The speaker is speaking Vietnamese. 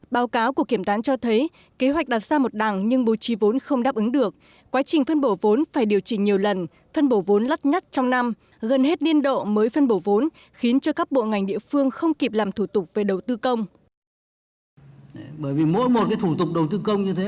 báo cáo của kiểm toán cho thấy kế hoạch đặt ra một đằng nhưng bố trí vốn không đáp ứng được quá trình phân bổ vốn phải điều chỉnh nhiều lần phân bổ vốn lắt nhắt trong năm gần hết niên độ mới phân bổ vốn khiến cho các bộ ngành địa phương không kịp làm thủ tục về đầu tư công